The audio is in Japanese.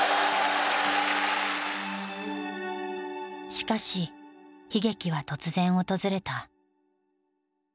しかし悲劇は突然訪れた。